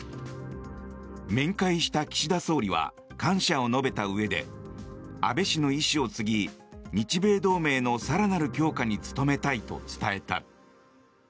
面会した岸田総理は感謝を述べたうえで安倍氏の遺志を継ぎ日米同盟の更なる強化に努めたいと伝えた。